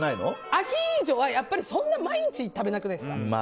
アヒージョはそんな毎日食べなくないですか。